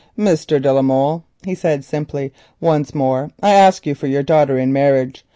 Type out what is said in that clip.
"Mr. de la Molle," he said simply, "once more I ask you for your daughter in marriage.